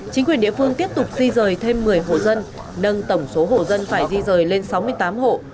chính quyền địa phương tiếp tục di rời thêm một mươi hộ dân nâng tổng số hộ dân phải di rời lên sáu mươi tám hộ